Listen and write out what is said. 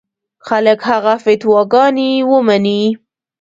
خلک هغه فتواګانې ومني.